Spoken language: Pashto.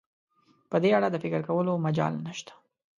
په دې اړه د فکر کولو مجال نشته.